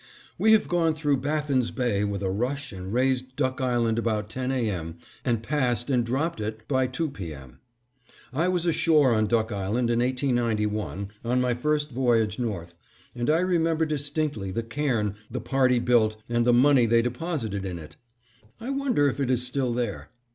We have gone through Baffin's Bay with a rush and raised Duck Island about ten A. M. and passed and dropped it by two P. M. I was ashore on Duck Island in 1891, on my first voyage north, and I remember distinctly the cairn the party built and the money they deposited in it. I wonder if it is still there?